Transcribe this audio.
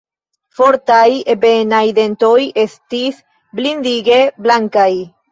Fortaj, ebenaj dentoj estis blindige blankaj.